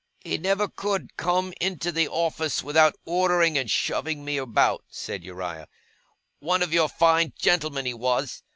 'He never could come into the office, without ordering and shoving me about,' said Uriah. 'One of your fine gentlemen he was!